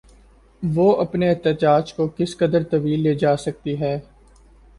وہ اپنے احتجاج کو کس قدر طویل لے جا سکتی ہے؟